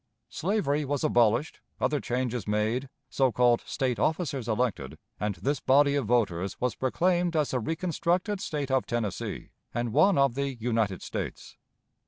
Slavery was abolished, other changes made, so called State officers elected, and this body of voters was proclaimed as the reconstructed State of Tennessee, and one of the United States.